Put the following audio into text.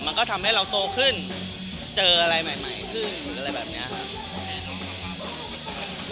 มันก็ทำให้เราโตขึ้นเจออะไรใหม่ขึ้นหรืออะไรแบบนี้ครับ